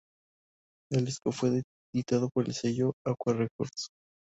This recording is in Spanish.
El disco fue editado por el sello "Acqua Records".